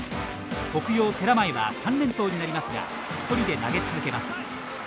北陽寺前は３連投になりますが一人で投げ続けます。